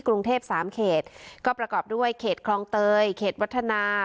กรุงเทพสามเขตก็ประกอบด้วยเขตคลองเตยเขตวัฒนา